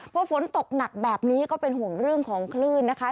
พอฝนตกหนักแบบนี้ก็เป็นห่วงเรื่องของคลื่นนะคะ